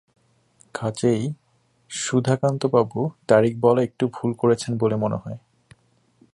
কাজেই সুধাকান্তবাবু তারিখ বলায় একটু ভুল করেছেন বলে মনে হয়।